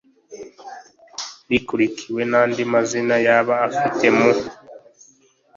rikurikiwe n andi mazina yaba afite mu